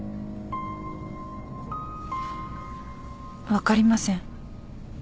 分かりません。